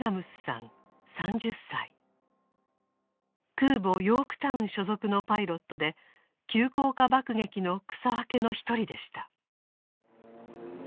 空母「ヨークタウン」所属のパイロットで急降下爆撃の草分けの一人でした。